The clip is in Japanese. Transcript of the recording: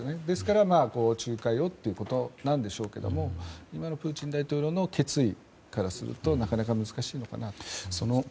ですから、仲介をということなんでしょうけれど今のプーチン大統領の決意からするとなかなか難しいのかなと思いますね。